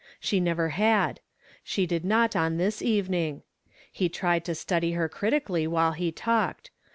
She never had; she did not on this evening. He tried to study her critically while he talked.